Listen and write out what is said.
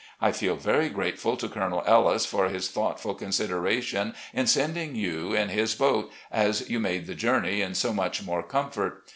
I feel very grateful to Col. Ellis for his thoughtful consideration in sending you in his boat, as you made the journey in so much more comfort.